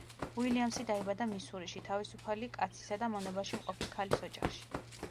უილიამსი დაიბადა მისურიში, თავისუფალი კაცისა და მონობაში მყოფი ქალის ოჯახში.